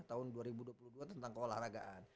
tahun dua ribu dua puluh dua tentang keolahragaan